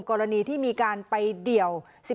กรณีที่มีการไปเดี่ยว